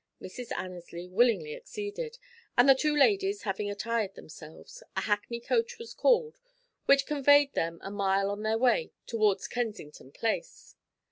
Mrs. Annesley willingly acceded, and the two ladies having attired themselves, a hackney coach was called, which conveyed them a mile on their way towards Kensington Place.